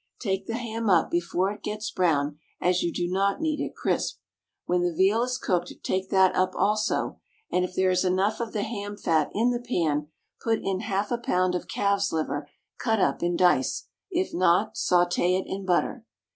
Take the ham up before it gets brown, as you do not need it crisp; when the veal is cooked take that up also, and if there is enough of the ham fat in the pan, put in half a pound of calf's liver cut up in dice, if not, sauté it in butter.